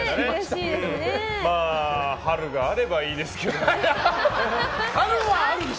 春があればいいですけど。